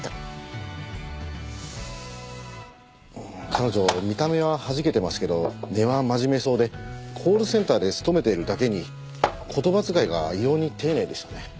彼女見た目ははじけてますけど根は真面目そうでコールセンターで勤めているだけに言葉遣いが異様に丁寧でしたね。